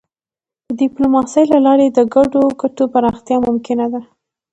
د ډيپلوماسی له لارې د ګډو ګټو پراختیا ممکنه ده.